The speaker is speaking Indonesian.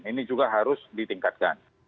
ini juga harus ditingkatkan